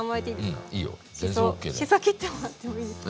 しそ切ってもらってもいいですか？